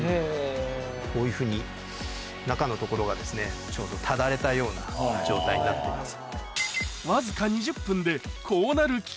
こういうふうに中の所がちょうどただれたような状態になっています。